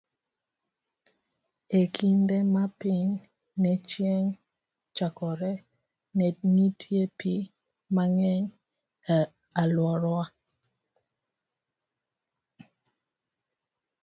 E kinde ma piny ne chiegni chakore, ne nitie pi mang'eny e alworano.